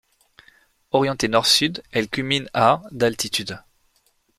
Orientée nord-sud, elle culmine à d'altitude.